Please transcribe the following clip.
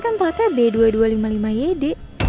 kan platnya b dua ribu dua ratus lima puluh lima yd